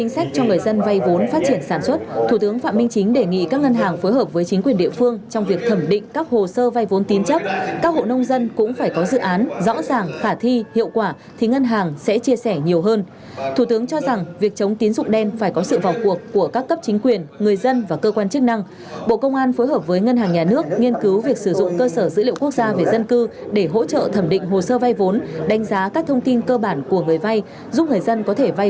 xuất thủ tướng phạm minh chính đề nghị các ngân hàng phối hợp với chính quyền địa phương trong việc thẩm định các hồ sơ vai vốn tín chấp các hộ nông dân cũng phải có dự án rõ ràng khả thi hiệu quả thì ngân hàng sẽ chia sẻ nhiều hơn thủ tướng cho rằng việc chống tín dụng đen phải có sự vào cuộc của các cấp chính quyền người dân và cơ quan chức năng bộ công an phối hợp với ngân hàng nhà nước nghiên cứu việc sử dụng cơ sở dữ liệu quốc gia về dân cư để hỗ trợ thẩm định hồ sơ vai vốn đánh giá các thông tin cơ bản của người vai giúp người dân có thể vai